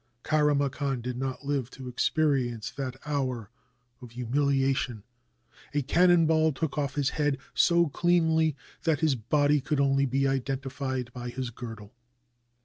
Kara Makan did not live to experience that hour of humiliation; a cannon ball took off his head so cleanly that his body could only be identified by his girdle.